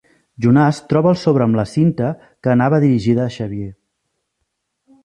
Jonàs troba el sobre amb la cinta que anava dirigida a Xavier.